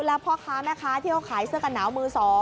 แล้วพ่อค้าแม่ค้าที่เขาขายเสื้อกันหนาวมือ๒